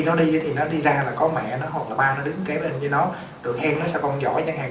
nó đi thì nó đi ra là có mẹ nó hoặc là ba nó đứng kế bên với nó được khen nó sao con giỏi chẳng hạn